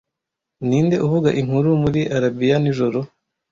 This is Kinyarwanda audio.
Ninde uvuga inkuru muri Arabiya Nijoro